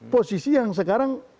posisi yang sekarang